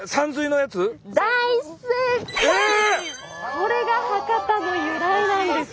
これが博多の由来なんです。